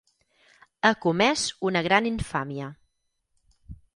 Ha comès una gran infàmia.